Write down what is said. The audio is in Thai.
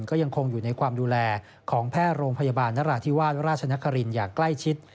ก็ยังคงอยู่ในความดูแลของแพทย์โรงพยาบาลนราธิวาสราชนครินอย่างใกล้ชิด